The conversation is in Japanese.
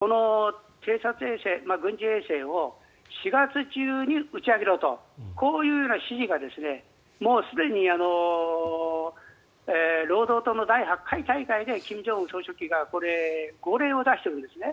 ですから、その本番すなわちこの偵察衛星、軍事衛星を４月中に打ち上げろとこういうような指示がもうすでに労働党の第８回大会で金正恩総書記が号令を出しているんですね。